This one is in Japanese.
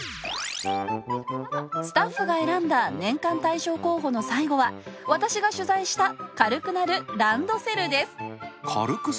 スタッフが選んだ年間大賞候補の最後は私が取材した、軽くなるランドセルです。